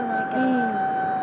うん。